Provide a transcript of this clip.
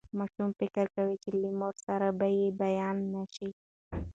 ماشوم فکر کوي چې له مور سره به بیا نه شي.